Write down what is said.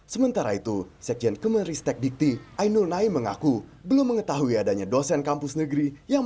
sementara itu sekjen kemenristek dikti ainul naim mengaku belum mengetahui adanya dosen kampus negeri yang